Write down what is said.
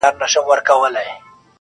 ستا د پښو ترپ ته هركلى كومه,